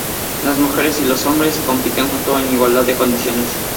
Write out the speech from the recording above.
Las mujeres y los hombres compiten juntos en igualdad de condiciones.